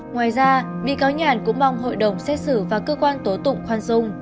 ngoài ra bị cáo nhàn cũng mong hội đồng xét xử và cơ quan tố tụng khoan dung